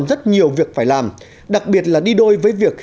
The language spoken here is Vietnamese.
để thu hút được